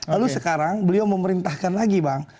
lalu sekarang beliau memerintahkan lagi bang